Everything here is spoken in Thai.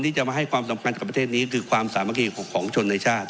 ที่จะมาให้ความสำคัญกับประเทศนี้คือความสามัคคีของชนในชาติ